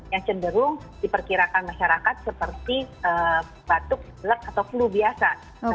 yang cenderung diperkirakan masyarakat seperti batuk lek atau flu biasa